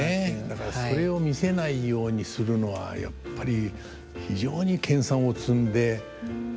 だからそれを見せないようにするのはやっぱり非常に研鑽を積んでやらないと。